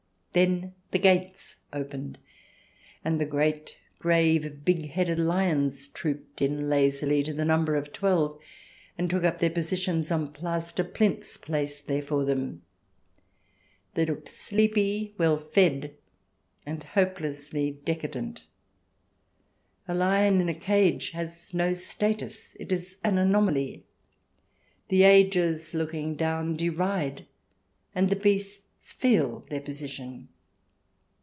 Then the gates opened, and the great, grave, big headed lions trooped in lazily, to the number of twelve, and took up their positions on plaster plinths placed there for them. They looked sleepy, well fed, and hopelessly decadent. A lion in a cage has no status; it is an anomaly. The ages looking down deride, and the beasts feel their position.